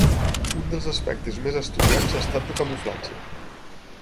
Un dels aspectes més estudiats ha estat el camuflatge.